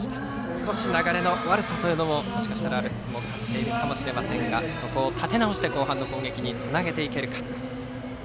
少し流れの悪さというのももしかしたアルプスも感じているかもしれませんがそこを立て直して後半の攻撃につなげていけるか。